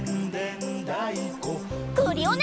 クリオネ！